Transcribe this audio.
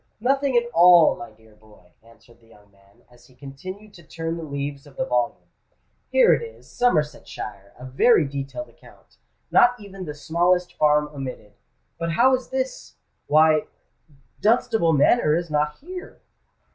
nothing at all, my dear boy," answered the young man, as he continued to turn the leaves of the volume. "Here it is—Somersetshire—a very detailed account—not even the smallest farm omitted. But how is this? Why—Dunstable Manor is not here!"